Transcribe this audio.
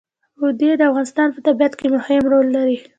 وادي د افغانستان په طبیعت کې مهم رول لري.